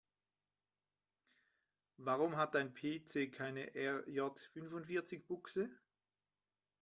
Warum hat dein PC keine RJ-fünfundvierzig-Buchse?